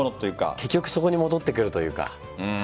結局そこに戻ってくるというか。